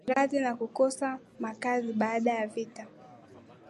maradhi na kukosa makazi baada ya vita